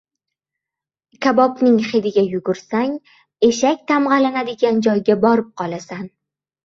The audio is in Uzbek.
• Kabobning hidiga yugursang — eshak tamg‘alanadigan joyga borib qolasan.